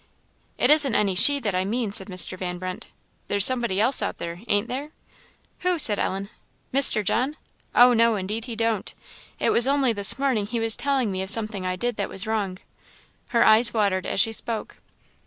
"It isn't any she that I mean," said Mr. Van Brunt. "There's somebody else out there, ain't there?" "Who?" said Ellen "Mr. John? Oh no, indeed he don't. It was only this morning he was telling me of something I did that was wrong." Her eyes watered as she spoke.